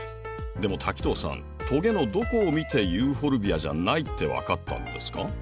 でも滝藤さんトゲのどこを見てユーフォルビアじゃないって分かったんですか？